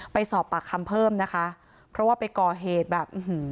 ไปสอบปากคำเพิ่มนะคะเพราะว่าไปก่อเหตุแบบอื้อหือ